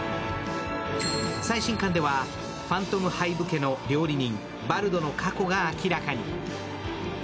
最新刊ではファントムハイヴ家の料理人・バルドの過去が明らかに。